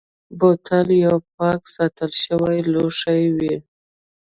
بوتل یو پاک ساتل شوی لوښی وي.